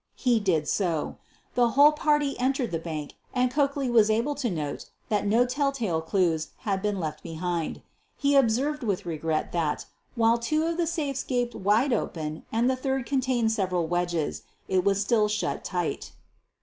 He did so. The whole party entered the bank and Coakley was able to note that no telltale clues had 166 SOPHIE LYONS been left behind. He observed with regret that, while two of the safes gaped wide open and the third contained several wedges, it was still shut tight.